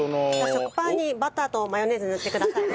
食パンにバターとマヨネーズ塗ってください。